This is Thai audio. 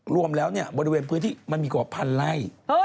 รวมแล้วบริเวณพื้นที่มันมีกว่าพันไร่